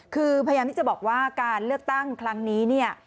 คือพยายามที่จะบอกว่าการเลือกตั้งครั้งนี้เนี่ย